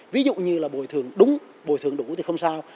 ví dụ như là bồi thường đúng bồi thường đủ thì không sao